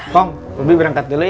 kong lebih berangkat dulu ya